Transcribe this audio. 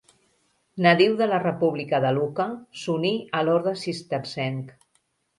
Nadiu de la república de Lucca, s'uní a l'orde cistercenc.